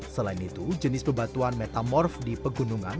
selain itu jenis bebatuan metamorf di pegunungan